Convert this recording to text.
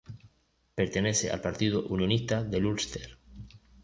Pertenece al Partido Unionista del Ulster.